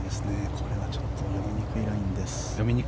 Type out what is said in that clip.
これはちょっと読みにくいラインです。